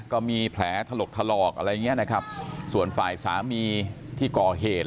ก็มีแผลถลกถลอกอะไรอย่างเงี้ยนะครับส่วนฝ่ายสามีที่ก่อเหตุ